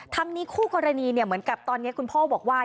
นี้คู่กรณีเหมือนกับตอนนี้คุณพ่อบอกว่า